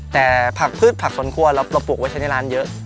แต่ผักพืชผักสวนครัวเราปลูกไว้ใช้ในร้านเยอะ